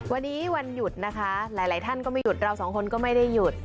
วันนี้วันหยุดนะคะหลายท่านก็ไม่หยุดเราสองคนก็ไม่ได้หยุด